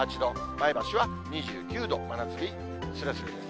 前橋は２９度、真夏日すれすれです。